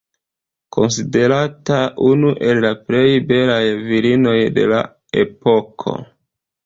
Konsiderata unu el la plej belaj virinoj de la epoko.